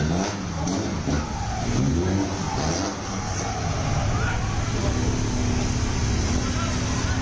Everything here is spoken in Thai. มีรถผ่านไปผ่านมาเยอะเลยเห็นไหม๕คนที่อยู่ข้างทางก็อยู่กันเต็มเลย